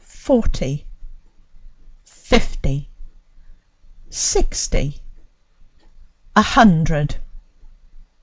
"Forty." "Fifty." "Sixty." "A hundred."